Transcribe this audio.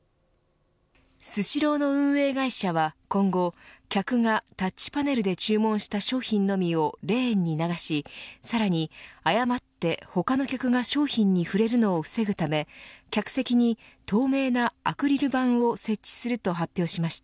スシローの運営会社は今後客がタッチパネルで注文した商品のみをレーンに流しさらに誤って他の客が商品に触れるのを防ぐため客席に透明なアクリル板を設置すると発表しました。